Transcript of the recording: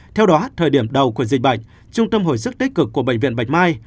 theo đó thời điểm đầu của dịch bệnh trung tâm hồi sức tích cực của bệnh viện bạch mai